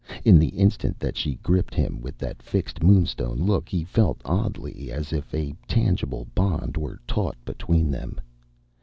In the instant that she gripped him with that fixed, moonstone look he felt oddly as if a tangible bond were taut between them.